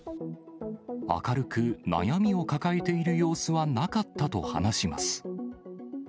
明るく、悩みを抱えている様子はなかったと話します。